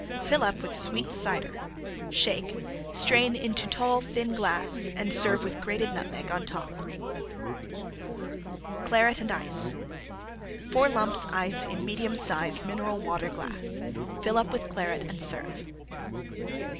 Fill up with Sweet Cider. Shake; strain into tall, thin glass and serve with grated Nutmeg on top. CLARET AND ICE 4 lumps Ice in medium size Mineral Water glass. Fill up with Claret and serve.